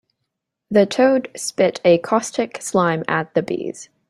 The toad spit a caustic slime at the bees.